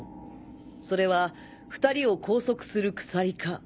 それは２人を拘束する鎖か